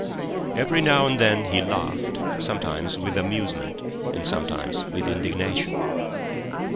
Every now and then he laughed, sometimes with amusement and sometimes with indignation.